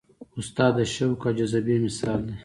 استاد د شوق او جذبې مثال دی.